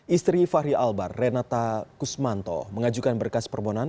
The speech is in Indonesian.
istri fahri albar renata kusmanto mengajukan berkas permohonan